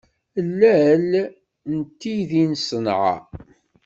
Lal n tiddi d ṣenɛa.